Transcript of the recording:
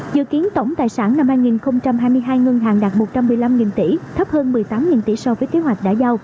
dự kiến tổng tài sản năm hai nghìn hai mươi hai ngân hàng đạt một trăm một mươi năm tỷ thấp hơn một mươi tám tỷ so với kế hoạch đã giao